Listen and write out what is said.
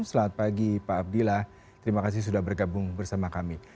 selamat pagi pak abdillah terima kasih sudah bergabung bersama kami